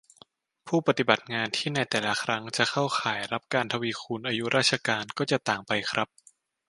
ผู้ปฏิบัติงานที่ในแต่ละครั้งจะเข้าข่ายรับการทวีคูณอายุราชการ ก็จะต่างไปครับ